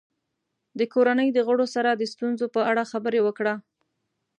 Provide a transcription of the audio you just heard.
د کورنۍ د غړو سره د ستونزو په اړه خبرې وکړه.